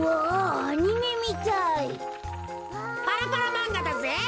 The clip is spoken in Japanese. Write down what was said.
パラパラまんがだぜ。